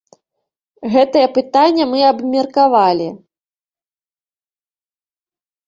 Гэтае пытанне мы абмеркавалі.